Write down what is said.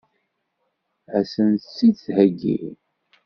Ad sent-tt-id-theggi?